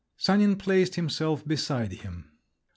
Sanin placed himself beside him.